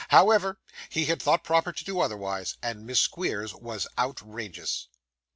However, he had thought proper to do otherwise, and Miss Squeers was outrageous.